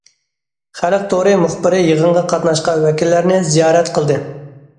خەلق تورى مۇخبىرى يىغىنغا قاتناشقان ۋەكىللەرنى زىيارەت قىلدى.